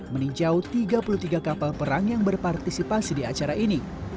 meninjau tiga puluh tiga kapal perang yang berpartisipasi di acara ini